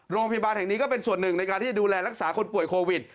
โรงพยาบาลแห่งนี้ก็เป็นส่วนหนึ่งในการที่จะดูแลรักษาคนป่วยโควิด